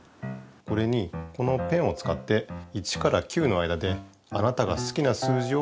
これにこのペンをつかって１から９の間であなたがすきな数字を書いてください。